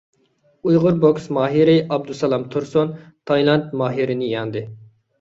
ئۇيغۇر بوكس ماھىرى ئابدۇسالام تۇرسۇن تايلاند ماھىرىنى يەڭدى.